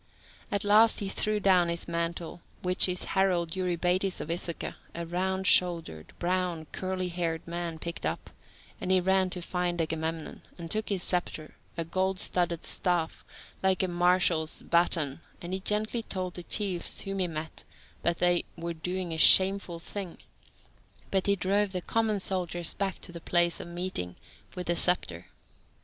At last he threw down his mantle, which his herald Eurybates of Ithaca, a round shouldered, brown, curly haired man, picked up, and he ran to find Agamemnon, and took his sceptre, a gold studded staff, like a marshal's baton, and he gently told the chiefs whom he met that they were doing a shameful thing; but he drove the common soldiers back to the place of meeting with the sceptre.